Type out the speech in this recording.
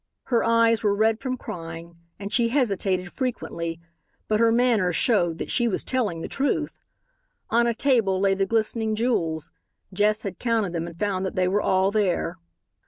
Her eyes were red from crying and she hesitated frequently, but her manner showed that she was telling the truth. On a table lay the glistening jewels. Jess had counted them and found that they were all there.